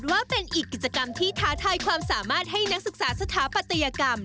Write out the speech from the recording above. ว่าเป็นอีกกิจกรรมที่ท้าทายความสามารถให้นักศึกษาสถาปัตยกรรม